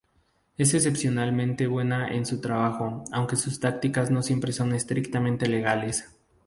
Es excepcionalmente buena en su trabajo, aunque sus tácticas no siempre son estrictamente legales.